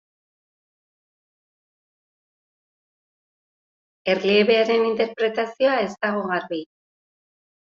Erliebearen interpretazioa ez dago garbi.